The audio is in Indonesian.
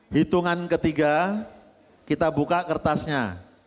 hitungan ketiga kita buka kertasnya